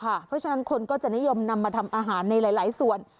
เพราะฉะนั้นคนก็จะนิยมนำมาทำอาหารในหลายส่วน